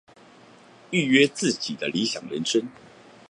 預約自己的理想人生